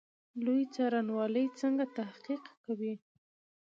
لوی څارنوالي څنګه تحقیق کوي؟